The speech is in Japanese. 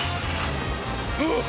あっ。